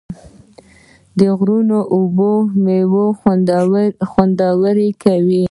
د غرونو اوبه میوې خوندورې کوي.